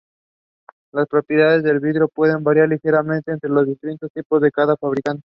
Las propiedades del vidrio pueden variar ligeramente entre los distintos tipos de cada fabricante.